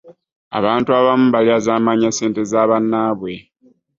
abantu abamu balyazaamaanya ssente zabannaabwe.